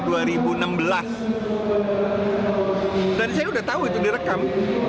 dan saya sudah tahu itu direkam